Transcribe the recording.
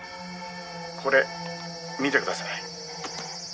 「これ見てください」「」